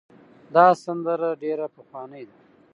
دا سندره ډېره پخوانۍ ده.